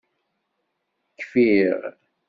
Kfiɣ.